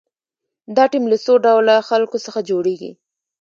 دا ټیم له څو ډوله خلکو څخه جوړیږي.